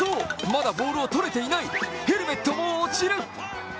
まだボールを取れていない、ヘルメットも落ちる。